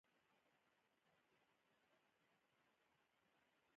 فروع کې اختلاف و.